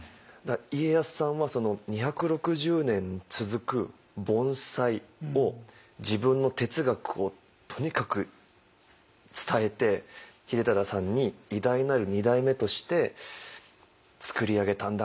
家康さんはその２６０年続く盆栽を自分の哲学をとにかく伝えて秀忠さんに偉大なる二代目として作り上げたんだなって。